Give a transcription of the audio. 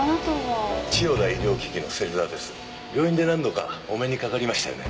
病院で何度かお目にかかりましたよね。